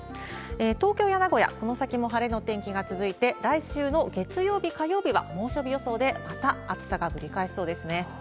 東京や名古屋、この先も晴れのお天気が続いて、来週の月曜日、火曜日は猛暑日予想で、また暑さがぶり返しそうですね。